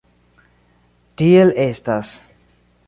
Tiel estas.